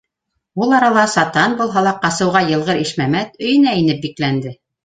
Ул арала сатан булһа ла ҡасыуға йылғыр Ишмәмәт өйөнә инеп бикләнде.